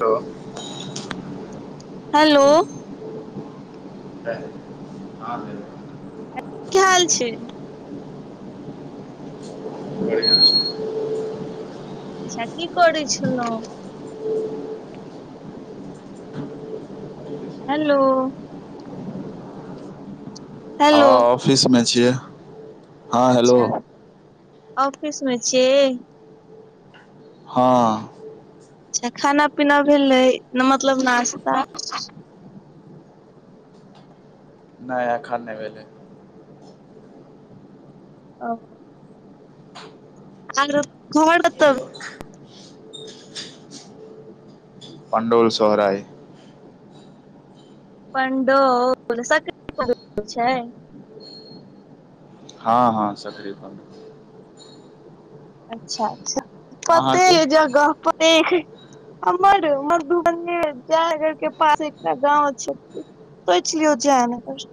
तो हेलो। हय- - ह ी [unintelligible] की हाल छैय। बढ़िआँ छैय। छती करें छलोउ। हेलो। हेलो हँ, ऑफिस मे छियै। हँ हेलो अच्छा ऑफिस मे छिय, हँ। अच्छ खाना पीना भेलै मतलब नाास्ता। नय अखन नै भेले ओ आ आ गरोद हेलो। पण्डौल सोहरय पणडोक सक री बहुत दूर छय। हँ -हँ सकरी फ। अच्छा -अच्छा अहाँके कतेए जगह पड़ देख हमर मधुबनी जेनगर के पास एकटा गाँव छै। सोइच लिऔ जेयनगर।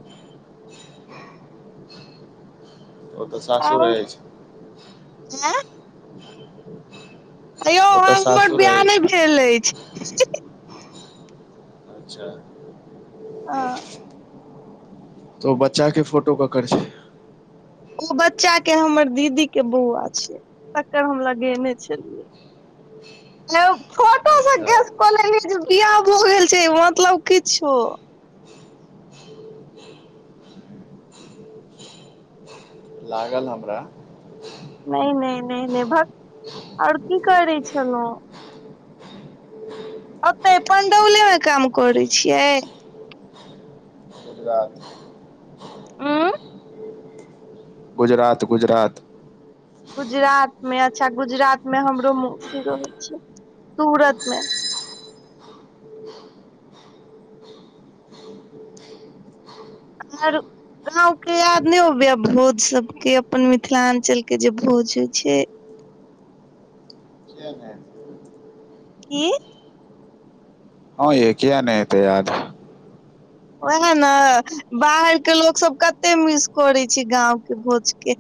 ओ तऽ सासूर अइछ ऐं [inaudible] अयौ हमर सासुर ब्याह नै अछि भेल अईछ। अच्छा आँ तऽ ओ बच्चा के फोटो ककर छै? ई बच्चा के हमर दीदी के बौआ छै। तकर हम लगेने छलियै। [inaudible] फोटो से अच्छा गैस कऽ लेलिय जे बियाह भ गेल छै, मतलब किछो। लागल हमरा। नैय - नय - नय -नय भक। आओर की करै छलहुँ? ओते पणडौले में काम करै छियै? [inaudible] अँ गुजरात -गुजरात गुजरात में अच्छा गुजरात में हमरो मौसी रहै छै। सूरत में। आर गाँंव के याद नइ ओबैया भोज सबके, अपन मिथिलाञ्चल के जे भोज होइ छै? किया नै ऐत की? हँ ए किया ने एइते याद। ओहे न। बाहर के लोक सब कते मिस करै छै गाँंव के भोज के।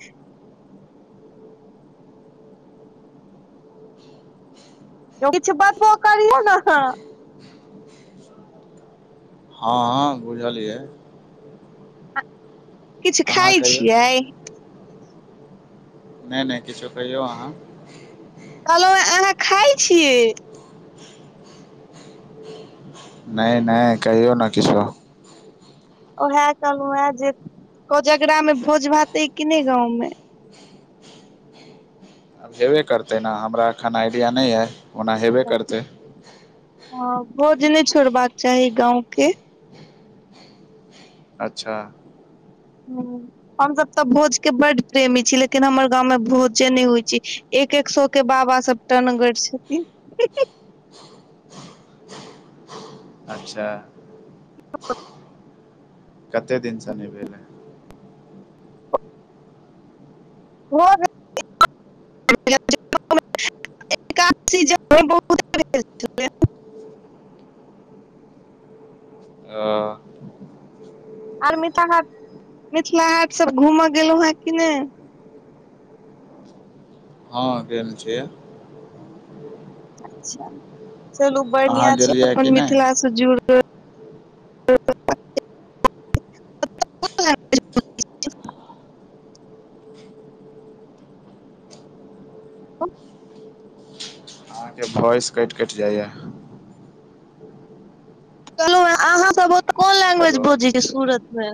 किछु बतबो करियौ न ह। हँ -हँ बुझलियै। किछु अहाँ खाइ कहियौ छियेई? नै नै किछो। कहियौ अहाँ। कहलहु आहाँ खाइ छीऐ? नै नै। कहियो न किछौ। ओएह कहलहु हे जे। कोजगरा मे भोज भात ऐ कि ने गाँंव में? हेबे करतै न। हमरा एखन आइडिया नै यऽ ओना हेबे करतै। हं। भोज नै छोड़बाक चाही गाँव के। अच्छा। हमसब तऽ भोजके बड प्रेमी छी, लेकिन हमर गाँंव में भोजे नै होइ छैय। एक-एक सौ के बाबा सब टनगर छथिन। अच्छा। कते दिनसँ नहि भेले? [inaudible] [inaudible] [inaudible] ओ। आर मिथिला हाट, मिथिला हाट सब घूमं गेलहुं हं कि नै? हँ गेल छियै। अच्छा। चलू अहाँ बढ़िया छैय गेलियै कि अपन नहि मिथिला से जुड़ [inaudible] अहाँके वॉइस कैट-कैट जाइए। कहलहुँ अहाँ सब ओतऽ कोन लैंग्वेज हेलो बजैये सूरत मे?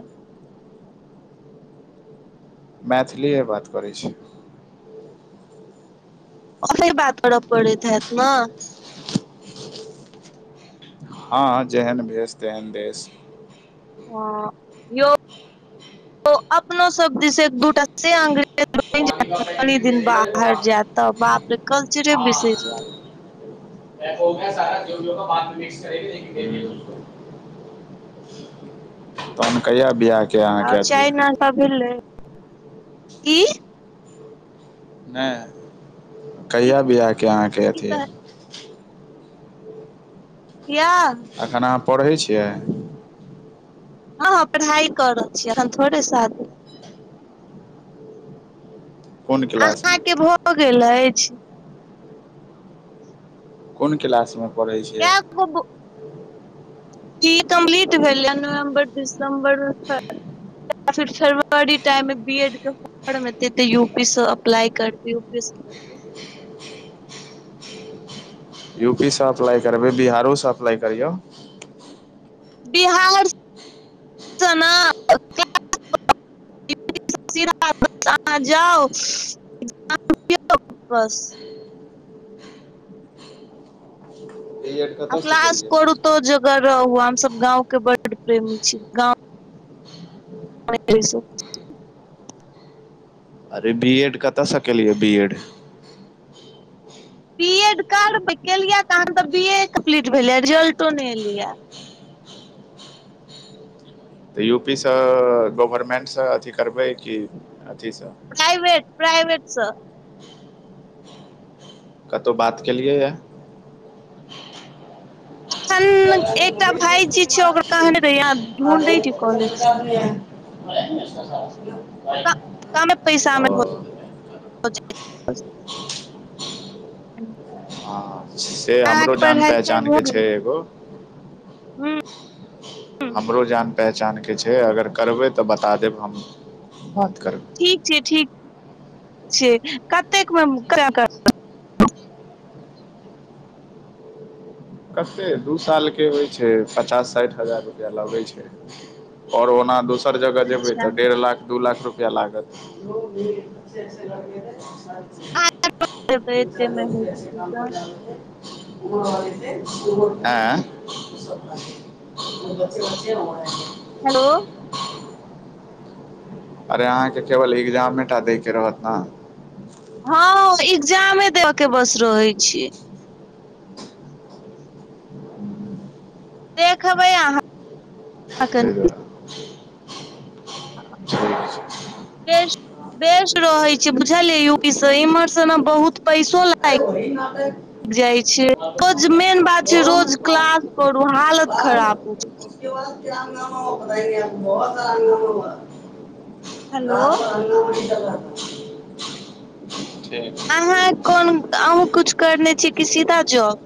मैथिलीए बात करै छी। ओ फिर बात करऽ पड़ैत हैत न। हँ जेहन देस तेहन भेस। ह यौ अपनो सब दीस एक दू टा से अंग्रेजी [unintelligible] कनी दिन बाहर जायत तऽ बापरे कल्चरे बिसरि जायत। [unintelligible] तहन कहिया ब्याह आओर चाइ नस्ता सब भेलै की? नहि कहिया बियाहके अहाँके की अथी यै। कहलियै बियाह। एखन अहाँ पढ़ै छियै। हँ हँ पढ़ाइ करय छियै अखन थोड़े शादी। कोन क्लासमे अहाँके भऽ गेल अछि। कोन क्लासमे पढ़ैत छियै। ह [unintelligible] [unintelligible] कम्प्लीट भेलै नवम्बर दिसम्बरमे या फिर फरवरी टाइम मे बी एड के पर एत तऽ यू -पीसँ अप्लाय करब यू-पीसँ करब। यू -पी सँ अप्लाइ करबै बिहारोसँ अप्लाइ करियौ। बिहारसँ ना [unintelligible] [inaudible] अहाँ जाउ एग्जाम दिऔ बस। बी एड आ कतयसँ क्लास केलियै करुतो जगह रहु हमसब गाँवके बड प्रेमी छी गाँव [unintelligible] अरे बी-एड कतऽसँ केलियै बी-एड। बी-एड करबै केलियै कहाँ अखन तऽ बी-ए कम्प्लीट भेलैयै रिजल्टो नहि एलियै। तऽ य- पी सँ गवर्मेन्टसँ अथी करबै कि अथीसँ। प्राइवेट प्राइवेटसँ। कतहु बात के लिय ये। अखन एकटा भाईजी छै ओकर कहने रहियै ढूंढै छी कॉलेज कामे [inaudible] [inaudible] पैसा मे ओ अहाँके हं से हमरो जान पहचान के छै एगो। हुं हमरो जान पहचानके छै, अगर करबै त बता देब हम बात करबय। ठीक छय ठीक छय कतेक में कराके। कतेक दू सालके होय छय, पचास साठि हजार रुपैया लगय छय। और ओना दोसर जगह जेबै अच्छा त डेढ़ लाख दू लाख रुपया लागत। एते मे होइत हेतै त [inaudible] [inaudible] ऐं [inaudible] [inaudible] हेलो अरे अहांके केवल एग्जामेता दय के रहत न। हं एग्जामे देबके बस रहे छय। देखबय अहां। तय दुवारे। [inaudible] छय। बेस्ट -बेस्ट रहय छय बुझलही यु पी स इमहरस न बहुत। पैसो अरे लागि वही नापे। जाइ छी, रोज मेन बात छय रोज क्लास करू, हालत बाद खराब भ जाय छय। [unintelligible] [unintelligible] हेलो [unintelligible] ठीक अहां कोन, अहुं किछु करने छी कि सीधा जॉब।